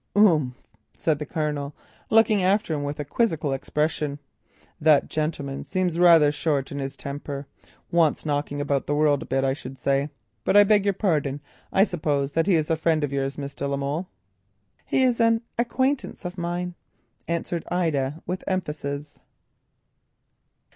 "Umph," said the Colonel, looking after him with a quizzical expression, "that gentleman seems rather short in his temper. Wants knocking about the world a bit, I should say. But I beg your pardon, I suppose that he is a friend of yours, Miss de la Molle?" "He is an acquaintance of mine," answered Ida with emphasis.